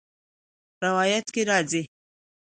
روايت کي راځي :